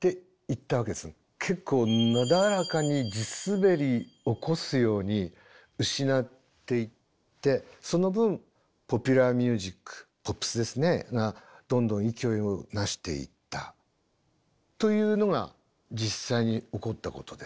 結構なだらかに地滑り起こすように失っていってその分ポピュラーミュージックポップスがどんどん勢いをなしていったというのが実際に起こったことです。